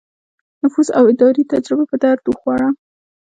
نفوذ او اداري تجربه په درد وخوړه.